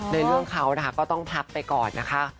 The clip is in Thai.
ในเรื่องเขานะคะก็ต้องพักไปก่อนนะคะ